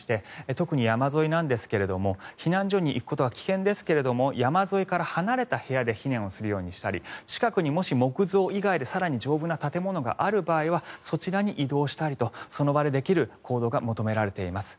特に山沿いなんですが避難所に行くことは危険ですが山沿いから離れた部屋で避難をするようにしたり近くに、もし木造以外で丈夫な建物がある場合はそちらに移動したりとその場でできる行動が求められています。